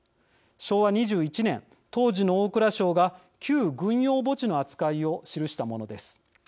昭和２１年、当時の大蔵省が「旧軍用墓地」の扱いを記したものです。